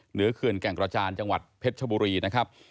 เขื่อนแก่งกระจานจังหวัดเพชรชบุรีนะครับ